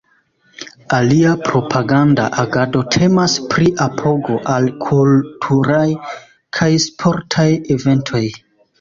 Alia propaganda agado temas pri apogo al kulturaj kaj sportaj eventoj.